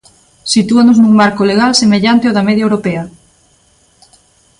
Sitúanos nun marco legal semellante ao da media europea.